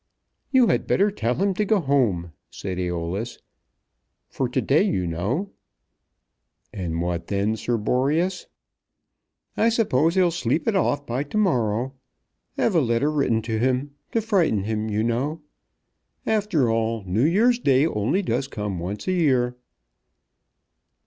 "You had better tell him to go home," said Æolus, "for to day, you know." "And what then, Sir Boreas?" "I suppose he'll sleep it off by to morrow. Have a letter written to him, to frighten him, you know. After all, New Year's Day only does come once a year."